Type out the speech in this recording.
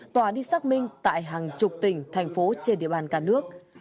tòa đi xác minh tại hàng chục tỉnh thành phố trên địa bàn cả nước